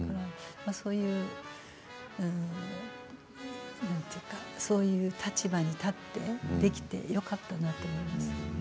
そういうなんというか立場に立ってできてよかったなと思います。